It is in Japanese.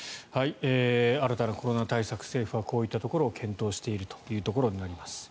新たなコロナ対策政府はこういったところを検討しているというところになります。